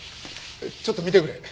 ちょっと見てくれ。